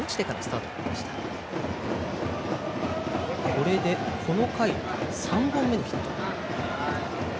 これで、この回３本目のヒット。